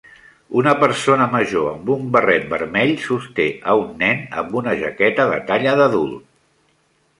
Una persona major amb un barret vermell sosté a un nen amb una jaqueta de talla d'adult.